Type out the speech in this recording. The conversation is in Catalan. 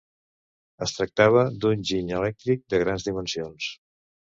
Es tractava d'un giny elèctric de grans dimensions.